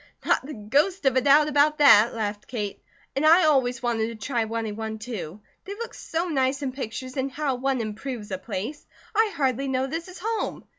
"Not the ghost of a doubt about that," laughed Kate, "and I always wanted to try running one, too. They look so nice in pictures, and how one improves a place! I hardly know this is home.